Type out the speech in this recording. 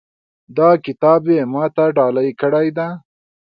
دا کتاب یې ما ته ډالۍ کړی ده